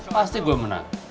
pasti gue menang